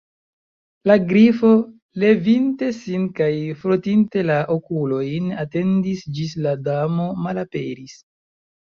La Grifo, levinte sin kaj frotinte la okulojn, atendis ĝis la Damo malaperis.